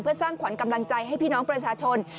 เพื่อสร้างขวัญกำลังใจให้พี่น้องประชาชน